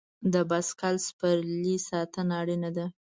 د بایسکل سپرلۍ ساتنه اړینه ده.